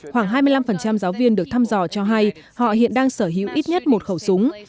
khoảng hai mươi năm giáo viên được thăm dò cho hay họ hiện đang sở hữu ít nhất một khẩu súng